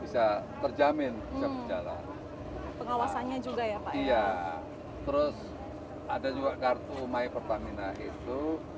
fishes itu ini menjaga hai pengawasannya juga ya pak iya terus ada juga kartu my pertamina itu